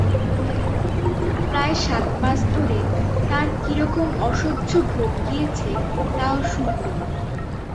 প্রায় সাত মাস ধরে তাঁর কিরকম অসহ্য ভোগ গিয়েছে তাও শুনলুম।